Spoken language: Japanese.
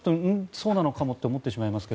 そうなのかもと思ってしまいます。